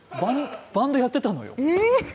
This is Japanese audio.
バンドやってたんだよ。